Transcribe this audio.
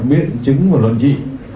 biện chứng và luận trị